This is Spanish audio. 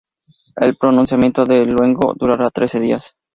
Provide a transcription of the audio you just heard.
El pronunciamiento de Luengo durará trece días.